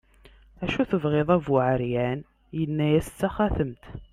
acu tebɣiḍ a bu ɛeryan, yenna-as d taxatemt